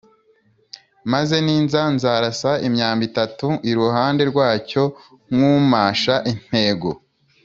Maze ninza, nzarasa imyambi itatu iruhande rwacyo nk’umasha intego